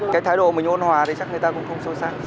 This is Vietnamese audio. cái thái độ mình ôn hòa thì chắc người ta cũng không sâu sắc